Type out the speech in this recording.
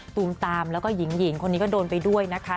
ตูมตามแล้วก็หญิงคนนี้ก็โดนไปด้วยนะคะ